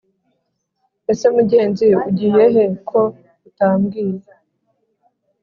Ese mugenzi ugiye he ko utambwiye